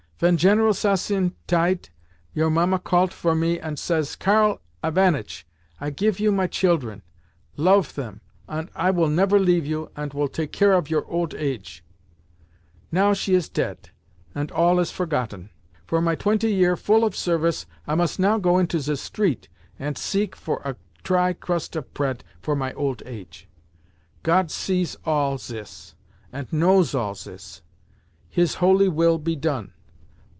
Ven General Sasin tiet, your Mamma callet for me, ant says, 'Karl Ivanitch, I gif you my children. Loaf them, ant I will never leave you, ant will take care for your olt age.' Now is she teat, ant all is forgotten! For my twenty year full of service I most now go into ze street ant seek for a try crust of preat for my olt age! Got sees all sis, ant knows all sis. His holy will be done!